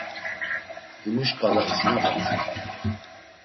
Himu şǩala isinapamt̆u.